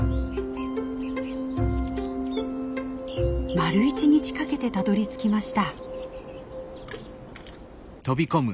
丸一日かけてたどりつきました。